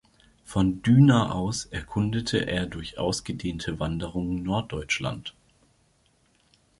Von Düna aus erkundete er durch ausgedehnte Wanderungen Norddeutschland.